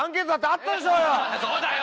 そうだよ！